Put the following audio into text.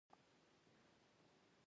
که دی خوري ما دې هم په سر وخوري.